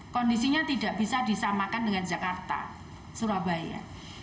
kondisinya tidak bisa disamakan dengan jakarta surabaya